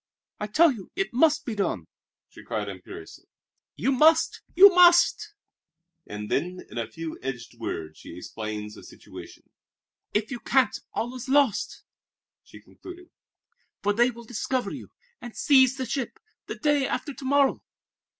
"I tell you it must be done," she cried imperiously. "You must, you must!" And then, in a few edged words, she explained the situation. "If you can't, all is lost," she concluded, "for they will discover you, and seize the ship, the day after to morrow.